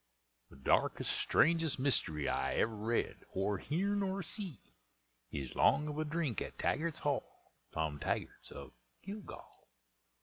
The darkest, strangest mystery I ever read, or heern, or see, Is 'long of a drink at Taggart's Hall, Tom Taggart's of Gilgal.